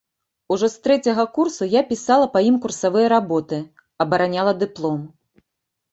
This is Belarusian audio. Ужо з трэцяга курсу я пісала па ім курсавыя работы, абараняла дыплом.